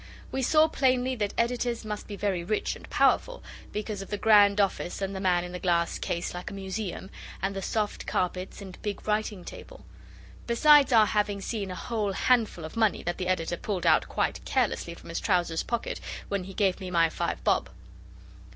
We saw plainly that editors must be very rich and powerful, because of the grand office and the man in the glass case, like a museum, and the soft carpets and big writing table. Besides our having seen a whole handful of money that the editor pulled out quite carelessly from his trousers pocket when he gave me my five bob.